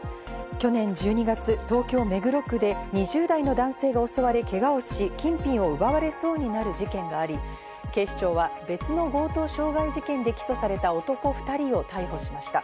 去年１２月、東京・目黒区で２０代の男性が襲われけがをし、金品を奪われそうになる事件があり、警視庁は別の強盗傷害事件で起訴された男２人を逮捕しました。